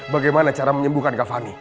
bagaimana cara menyembuhkan kak fani